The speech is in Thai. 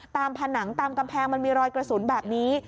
ผนังตามกำแพงมันมีรอยกระสุนแบบนี้